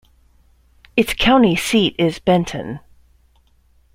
Its county seat is Benton.